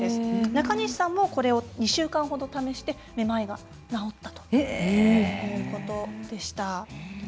中西さんもこれを２週間ほど試してめまいが治ったということでした。